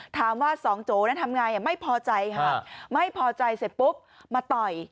ถามว่าสองโจทำไงไม่พอใจค่ะไม่พอใจเสร็จปุ๊บมาต่อย